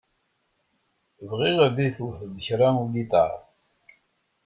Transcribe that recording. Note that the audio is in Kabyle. Bɣiɣ ad yi-d-tewteḍ kra ugiṭar.